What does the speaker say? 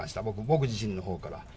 僕自身のほうから。